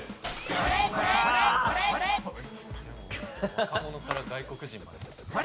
若者から外国人まで。